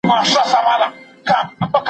زغم له غوسې ښه دی.